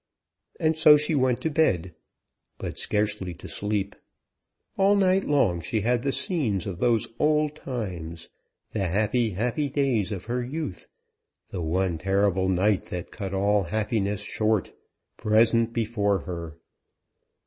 And so she went to bed; but scarcely to sleep. All night long she had the scenes of those old times, the happy, happy days of her youth, the one terrible night that cut all happiness short, present before her.